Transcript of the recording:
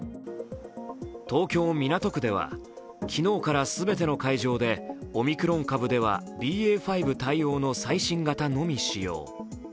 東京・港区では昨日から全ての会場でオミクロン株ではＢＡ．５対応の最新型のみ使用。